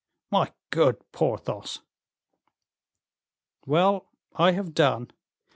"My good Porthos!" "Well, I have done.